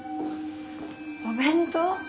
お弁当？